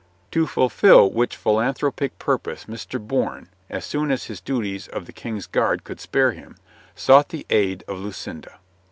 To fulfil which philanthropic purpose Mr. Bourne, as soon as his duties of the King's Guard could spare him, sought the aid of Lucinda.